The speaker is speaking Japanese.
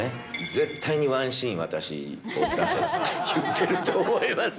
絶対にワンシーン、私を出せって言ってると思います。